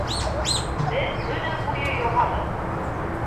Беҙ көнө буйы яғабыҙ